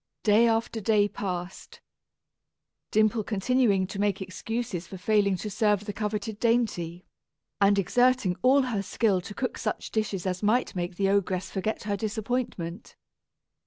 Day after day passed, Dimple continuing to make excuses for failing to serve the coveted dainty, and exerting all her skill to cook such dishes as might make the ogress forget her disappointment.